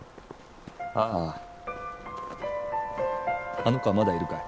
あの子はまだいるかい？